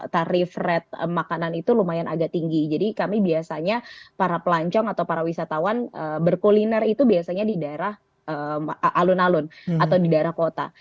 tarif red makanan itu lumayan agak tinggi jadi kami biasanya para pelancong atau para wisatawan berkuliner itu biasanya di daerah alun alun atau di daerah kota